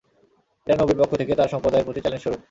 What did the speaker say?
এটা নবীর পক্ষ থেকে তাঁর সম্প্রদায়ের প্রতি চ্যালেঞ্জস্বরূপ।